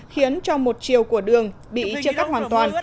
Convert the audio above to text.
khiến cho một chiều của đường bị chia cắt hoàn toàn